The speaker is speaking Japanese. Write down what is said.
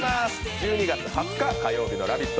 １２月２０日火曜日の「ラヴィット！」